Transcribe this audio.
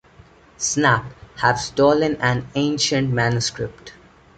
Snap, have stolen an ancient manuscript.